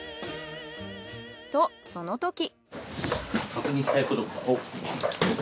とその時。